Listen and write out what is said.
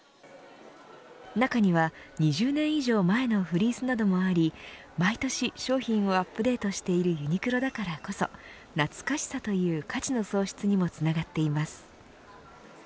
中には、２０年以上前のフリースなどもあり毎年商品をアップデートしているユニクロだからこそ懐かしさという価値の創出にもつながっています。